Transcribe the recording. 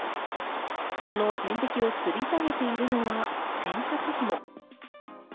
その点滴をつり下げているのは洗濯ひも。